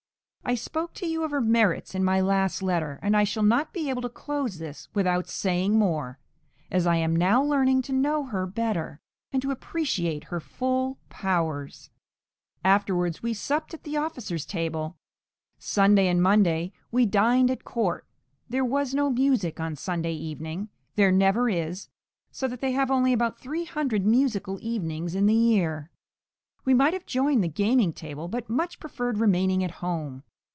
I spoke to you of her merits in my last letter, and I shall not be able to close this without saying more, as I am now learning to know her better, and to appreciate her full powers. {MANNHEIM.} (418) Afterwards we supped at the officers' table. Sunday and Monday we dined at court; there was no music on Sunday evening; there never is, so that they have only about 300 musical evenings in the year. We might have joined the gaming table, but much preferred remaining at home.